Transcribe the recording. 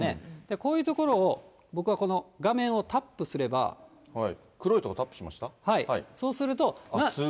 こういう所を僕はこの画面タップ黒い所、タップしました？